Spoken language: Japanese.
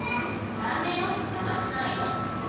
駄目よ邪魔しないの。え。